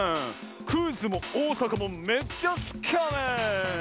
クイズもおおさかもめっちゃすきやねん！